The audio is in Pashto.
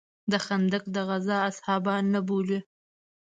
د خندق د غزا اصحابان نه بولې.